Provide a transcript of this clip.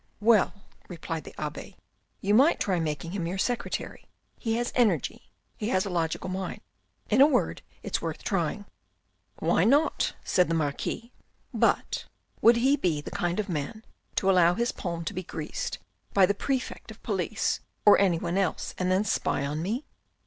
"Well," replied the abbe, "you might try making him 220 THE RED AND THE BLACK your secretary. He has energy. He has a logical mind. In a word, it's worth trying." "Why not?" said the Marquis. "But would he be the kind of man to allow his palm to be greased by the Prefect of Police or any one else and then spy on me